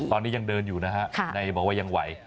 ตอนนี้ยังเดินอยู่นะฮะในบอกว่ายังไหว